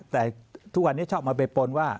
แต่ทุกวันนี้ชอบมาไปปนว่า